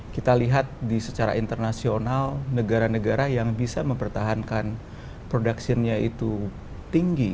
kita lihat secara internasional negara negara yang bisa mempertahankan productionnya itu tinggi